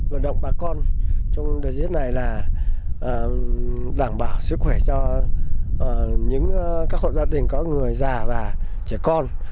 vận động bà con trong đợt diễn này là đảm bảo sức khỏe cho những các hộ gia đình có người già và trẻ con